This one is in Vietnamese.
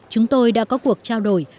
chúng tôi đã có cuộc trao đổi